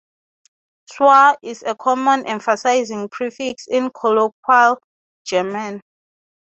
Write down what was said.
"Sau-" is a common emphasising prefix in colloquial German.